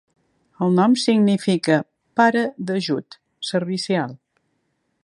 El nom significa 'pare d'ajut', servicial.